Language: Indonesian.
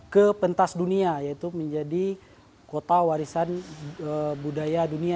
ke pentas dunia yaitu menjadi kota warisan budaya dunia